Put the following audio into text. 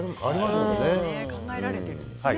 考えられているんですね